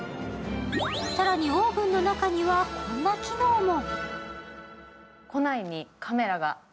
更にオーブンの中にはこんな機能も。